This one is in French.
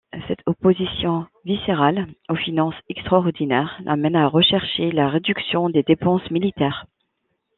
Cette opposition viscérale aux finances extraordinaires l'amène à rechercher la réduction des dépenses militaires.